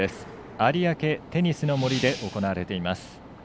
有明テニスの森で行われています。